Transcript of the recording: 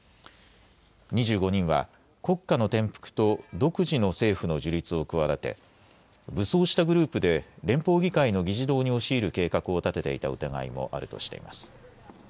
２５人は国家の転覆と独自の政府の樹立を企て武装したグループで連邦議会の議事堂に押し入る計画を立てていた疑いもあるとしています。